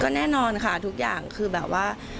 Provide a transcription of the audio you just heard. แน่นอนค่ะทุกอย่างคือแบบว่า